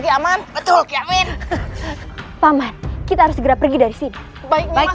ya aman betul ya amin paman kita harus segera pergi dari sini baik baik